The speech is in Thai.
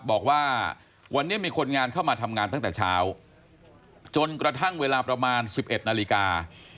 บอกว่าวันนี้มีคนงานเข้ามาทำงานตั้งแต่เช้าจนกระทั่งเวลาประมาณ๑๑นาฬิกา